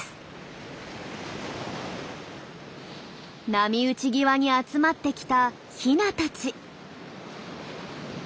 波打ち際に集まってきたヒナたち。